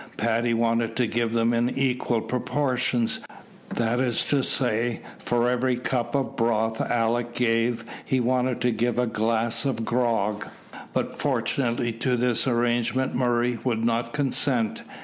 Paddy wanted to give them in equal proportions that is to say, for every cup of broth Alick gave, he wanted to give a glass of grog; but fortunately to this arrangement Murray would not consent.